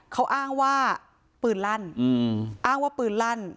เขาอ้างว่าปืนลั่นอ้างว่าปืนลั่น